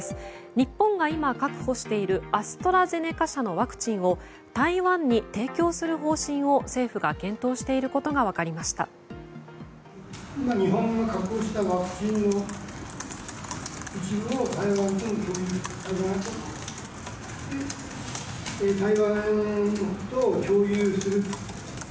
日本が今、確保しているアストラゼネカ社のワクチンを台湾に提供する方針を政府が検討していることが分かりました。